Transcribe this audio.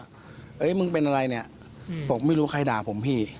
เฮ้ยมึงเป็นอะไรเนี่ยบอกไม่รู้ใครด่าผมพี่